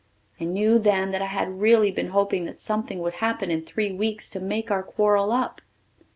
I knew then that I had really been hoping that something would happen in three weeks to make our quarrel up.